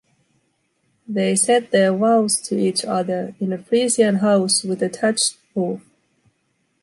They said their vows to each other in a Frisian house with a thatched roof.